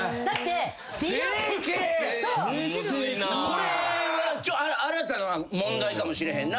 これは新たな問題かもしれへんな。